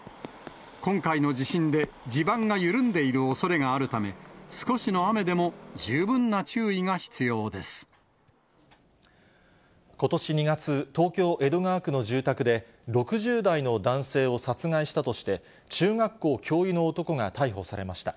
今回の地震で、地盤が緩んでいるおそれがあるため、少しの雨でも十分な注意が必ことし２月、東京・江戸川区の住宅で、６０代の男性を殺害したとして、中学校教諭の男が逮捕されました。